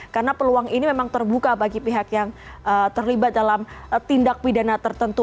karena peluang ini memang terbuka bagi pihak yang terlibat dalam tindak pidana tertentu